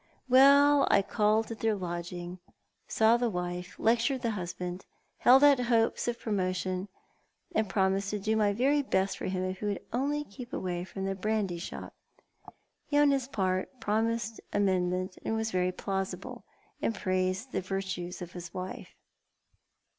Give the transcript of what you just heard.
Well, I called at their lodging, saw the wife, lectured the husband, held out hopes of promotion, and promised to do my very best for him if he would only keep away from the brandy shop. He, on his part, promised amendment, was very plausible, and praised the virtues of his wife."